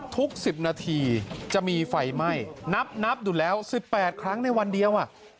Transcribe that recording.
ทุกสิบนาทีจะมีไฟไหม้นับอยู่แล้วสิบแปดครั้งในวันเดียวอ่ะ